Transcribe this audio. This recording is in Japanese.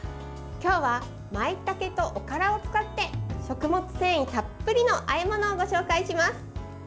今日はまいたけとおからを使って食物繊維たっぷりのあえ物をご紹介します。